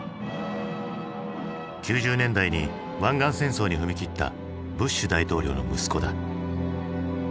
９０年代に湾岸戦争に踏み切ったブッシュ大統領の息子だ。